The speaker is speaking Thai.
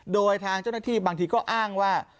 โดยทางเจ้าหน้าที่บางทีก็อ้างว่า